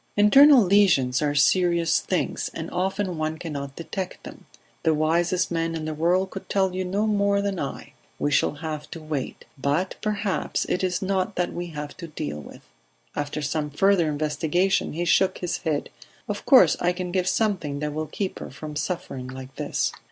"Internal lesions are serious things, and often one cannot detect them. The wisest man in the world could tell you no more than I. We shall have to wait ... But perhaps it is not that we have to deal with." After some further investigation he shook his head. "Of course I can give something that will keep her from suffering like this."